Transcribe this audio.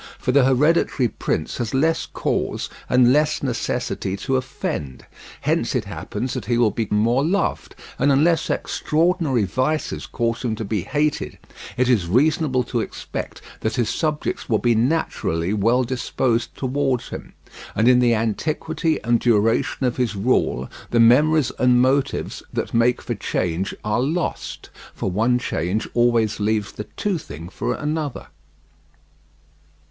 For the hereditary prince has less cause and less necessity to offend; hence it happens that he will be more loved; and unless extraordinary vices cause him to be hated, it is reasonable to expect that his subjects will be naturally well disposed towards him; and in the antiquity and duration of his rule the memories and motives that make for change are lost, for one change always leaves the toothing for another.